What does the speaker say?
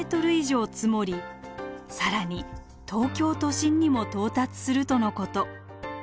更に東京都心にも到達するとのこと。